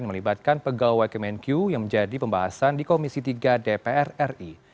yang melibatkan pegawai kemenku yang menjadi pembahasan di komisi tiga dpr ri